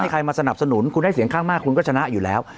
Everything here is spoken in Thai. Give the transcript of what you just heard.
ใครมาสนับสนุนคุณได้เสียงข้างมากคุณก็ชนะอยู่แล้ว